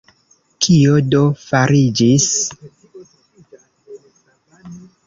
Kio do fariĝis?